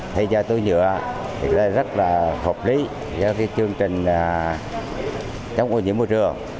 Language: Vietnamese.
thay do túi nhựa thì rất là hợp lý cho chương trình chống ô nhiễm môi trường